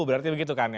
berarti begitu kan